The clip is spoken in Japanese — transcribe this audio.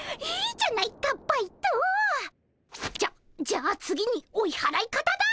じゃじゃあ次に追いはらい方だ。